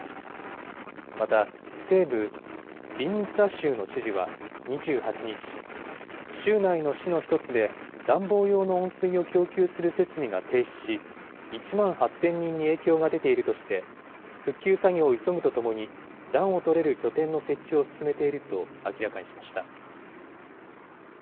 また、西部ビンニツァ州の知事は、２８日、州内の市の１つで、暖房用の温水を供給する設備が停止し、１万８０００人に影響が出ているとして、復旧作業を急ぐとともに、暖をとれる拠点の設置を進めていると明らかにしました。